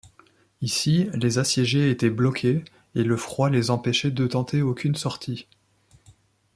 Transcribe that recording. Ici, les assiégés étaient bloqués, et le froid les empêchait de tenter aucune sortie.